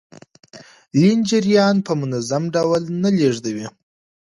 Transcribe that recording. لین جریان په منظم ډول نه لیږدوي.